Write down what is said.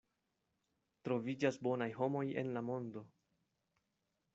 Troviĝas bonaj homoj en la mondo.